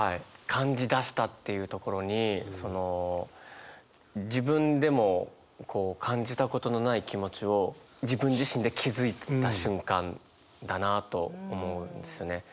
「感じだした」っていうところにその自分でもこう感じたことのない気持ちを自分自身で気付いた瞬間だなと思うんですよね。